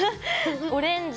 オレンジ。